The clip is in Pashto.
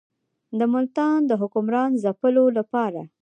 د ملتان د حکمران ځپلو لپاره.